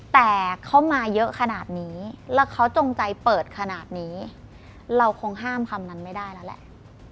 แต่เขามาเยอะขนาดนี้แล้วเขาจงใจเปิดขนาดนี้เราคงห้ามคำนั้นไม่ได้แล้วแหละ